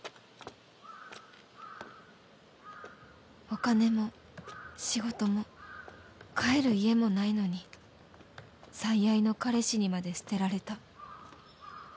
お金も仕事も帰る家もないのに最愛の彼氏にまで捨てられた